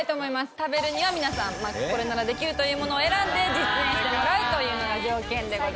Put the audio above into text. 食べるには皆さんこれならできるというものを選んで実演してもらうというのが条件でございます。